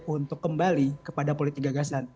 untuk kembali kepada politik gagasan